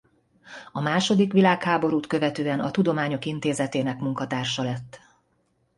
A második világháborút követően a Tudományok Intézetének munkatársa lett.